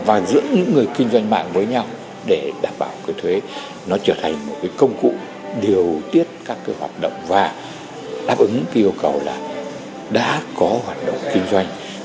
và giữa những người kinh doanh mạng với nhau để đảm bảo cái thuế nó trở thành một cái công cụ điều tiết các cái hoạt động và đáp ứng cái yêu cầu là đã có hoạt động kinh doanh